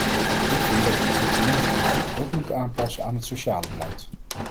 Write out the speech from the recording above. Ik vind dat we het economisch beleid ook moeten aanpassen aan het sociale beleid.